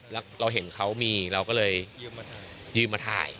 แล้วเราเห็นเขามีเราก็เลยยืมมาถ่าย